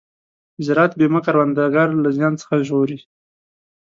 د زراعت بیمه کروندګر له زیان څخه ژغوري.